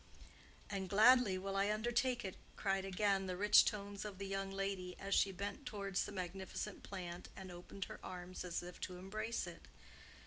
"And gladly will I undertake it," cried again the rich tones of the young lady, as she bent towards the magnificent plant and opened her arms as if to embrace it.